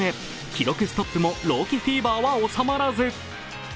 記録ストップも朗希フィーバーは収まらず。